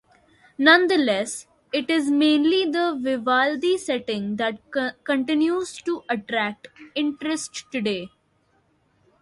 Nonetheless, it is mainly the Vivaldi setting that continues to attract interest today.